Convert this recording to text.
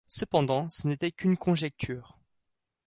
Cependant ce n'était qu'une conjecture.